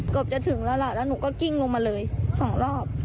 เกือบจะถึงแล้วล่ะแล้วหนูก็กิ้งลงมาเลยสองรอบ